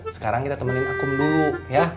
sekarang kita temenin akum dulu ya